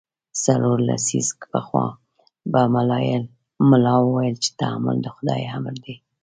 څلور لسیزې پخوا به ملا ویل چې تحمل د خدای امر دی.